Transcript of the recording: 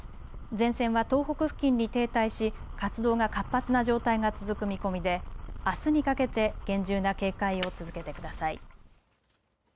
前線は東北付近に停滞し活動が活発な状態が続く見込みであすにかけて厳重な警戒を続けてください。